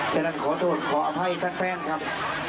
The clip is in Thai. ฉะนั้นขอโทษขออภัยแฟนครับ